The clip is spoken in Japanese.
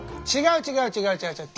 違う違う違う違う。